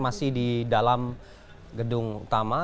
masih di dalam gedung utama